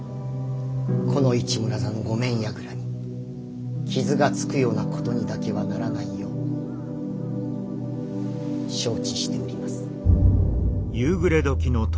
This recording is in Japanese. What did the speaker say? この市村座の御免櫓に傷がつくようなことにだけはならないよう承知しております。